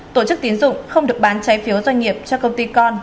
tổ chức tiến dụng không được bán trái phiếu doanh nghiệp cho công ty con